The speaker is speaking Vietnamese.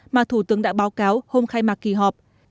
mà thủ tướng đã báo cáo hôm khai mạc kỳ họp